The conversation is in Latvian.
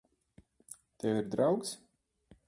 Tev ir draugs.